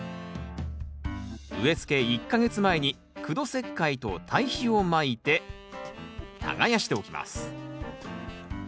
植えつけ１か月前に苦土石灰と堆肥をまいて耕しておきます。